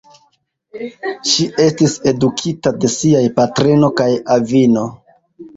Ŝi estis edukita de siaj patrino kaj avino.